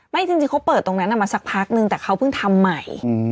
จริงเขาเปิดตรงนั้นมาสักพักนึงแต่เขาเพิ่งทำใหม่